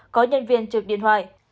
có nhân viên trực điện thoại